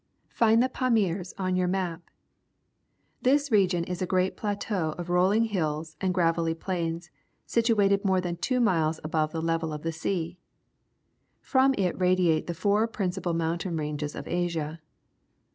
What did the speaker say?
Find the Eamirs on your map. This region is a great plateau of rolling hills and gravelly plains, situated more than two miles above the level of the sea. From it radiate the four principal mountain ranges of Asia.